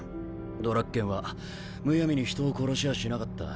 ドラッケンはむやみに人を殺しはしなかった。